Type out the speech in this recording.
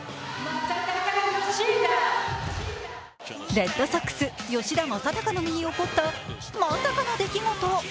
レッドソックス・吉田正尚の身に起こったまさかの出来事。